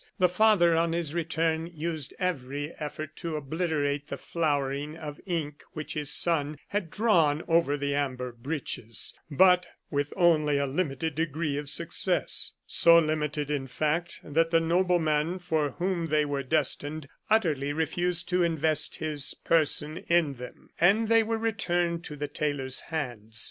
The father, on his return, used every effort to obliterate the flowering of ink which his son had drawn over the amber breeches, but with only a limited degree of success — so limited, in fact, that the nobleman for whom they were destined utterly refused to invest his person in them, and they were returned on the tailor's hands.